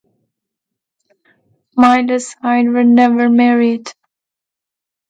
Myles Hildyard never married.